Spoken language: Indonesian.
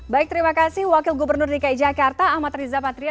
baik terima kasih wakil gubernur dki jakarta ahmad riza patria